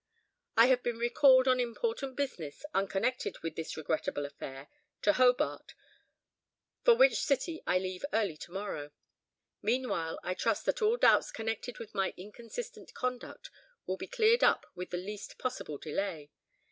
I have been recalled on important business (unconnected with this regrettable affair) to Hobart, for which city I leave early to morrow. Meanwhile, I trust that all doubts connected with my inconsistent conduct will be cleared up with the least possible delay.